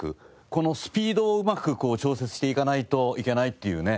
このスピードをうまく調節していかないといけないっていうね。